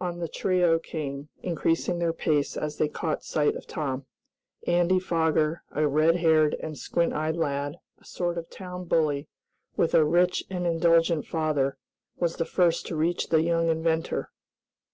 On the trio came, increasing their pace as they caught sight of Tom. Andy Foger, a red haired and squint eyed lad, a sort of town bully, with a rich and indulgent father, was the first to reach the young inventor.